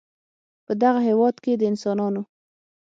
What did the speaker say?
په دغه هېواد کې د انسانانو